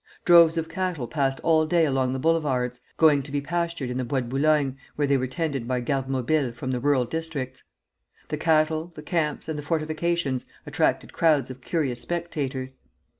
Droves of cattle passed all day along the Boulevards, going to be pastured in the Bois de Boulogne, where they were tended by Gardes Mobiles from the rural districts. The cattle, the camps, and the fortifications attracted crowds of curious spectators.